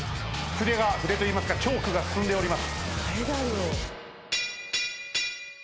筆といいますかチョークが進んでおります。